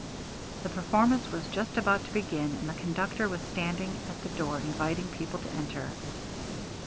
The performance was just about to begin, and the conductor was standing at the door inviting people to enter.